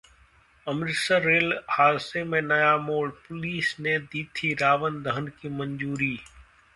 Amritsar rail हादसे में नया मोड़! पुलिस ने दी थी रावण दहन की मंजूरी